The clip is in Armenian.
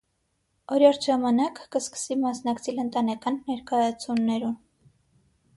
Օրիորդ ժամանակ կը սկսի մասնակցիլ ընտանեկան ներակայացումներու։